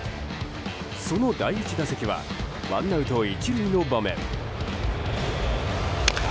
その第１打席はワンアウト１塁の場面。